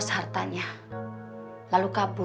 tidak korbankan nanti us didi